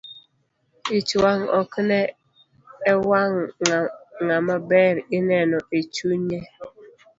Ich wang' ok ne e wang' ngama ber ineno e chunnye.